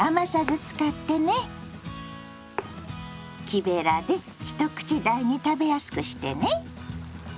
木べらで一口大に食べやすくしてね。